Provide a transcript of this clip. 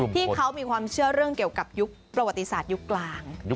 ที่เขามีความเชื่อเรื่องเกี่ยวกับยุคประวัติศาสตร์ยุคกลาง